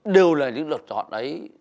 đều là những lựa chọn ấy